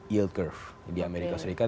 yield curve di amerika serikat